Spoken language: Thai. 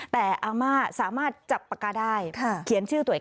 แต่อาม่าสามารถจับปากกาได้